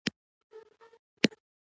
د هرات ښار د هنرونو لپاره مهم دی.